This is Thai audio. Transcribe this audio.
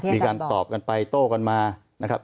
มีการตอบกันไปโต้กันมานะครับ